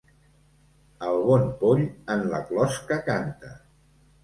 El bon poll en la closca canta.